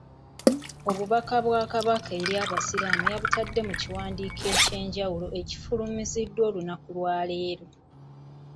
Obubaka bwa Kabaka eri Abasiraamu yabutadde mu kiwandiiko eky'enjawulo ekifulumiziddwa olunaku lwaleero